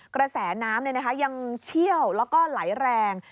กระแสน้ำยังเชี่ยวแล้วก็ไหลแรง